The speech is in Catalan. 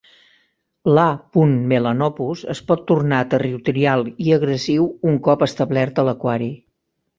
L'"A. melanopus" es pot tornar territorial i agressiu un cop establert a l'aquari.